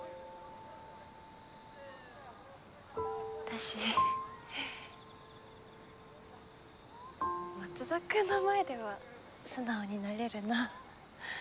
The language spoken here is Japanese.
私松田くんの前では素直になれるな。